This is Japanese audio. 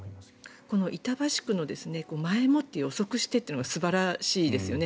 この板橋区の前もって予測してというのが素晴らしいですよね。